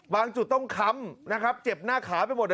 จุดต้องค้ำนะครับเจ็บหน้าขาไปหมด